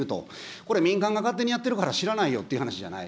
これ民間が勝手にやってるから知らないよって話じゃない。